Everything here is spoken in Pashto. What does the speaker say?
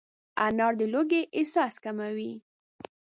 انار د لوږې حس کموي.